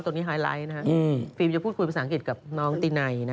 ตรงนี้ไฮไลท์นะฮะฟิมจะพูดคุยภาษาอังกฤษกับน้องตินัยนะ